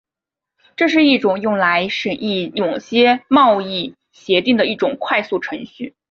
这是一种用来审议某些贸易协定的一种快速程序。